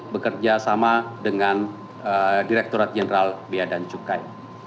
bekerja sama dengan direkturat jeneral bia dan cukai